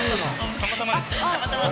たまたまです。